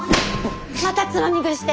またつまみ食いして！